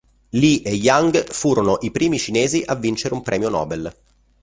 Lee e Yang furono i primi cinesi a vincere un premio Nobel.